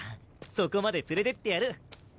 そこまで連れてってやる。